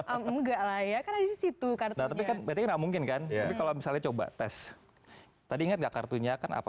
enggak lain sih ya aer cathy enggak mungkin kan kalau misalnya coba tes tadinya enggak kartunya kan apa